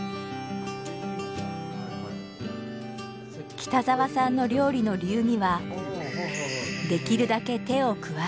北沢さんの料理の流儀はできるだけ手を加えない。